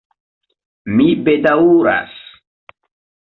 Mi bedaŭras!